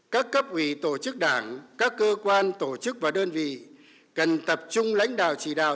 các cấp ủy tổ chức đảng các cơ quan tổ chức và đơn vị cần tập trung lãnh đạo chỉ đạo